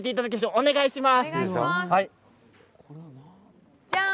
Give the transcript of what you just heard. お願いします。